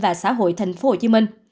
và xã hội tp hcm